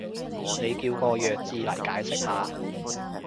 你叫個弱智嚟解釋下